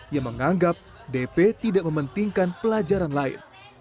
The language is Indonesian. yang menganggap dp tidak mementingkan pelajaran lain